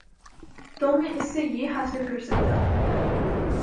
تو میں اس سے یہ حاصل کر سکتا ہوں۔